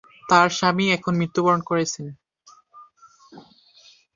তাঁর স্বামী এখন মৃত্যুবরণ করেছেন।